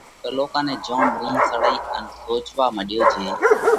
تلُوڪا نئہ جوم رِينه سڙئِي ان سوچوا مڏيو جي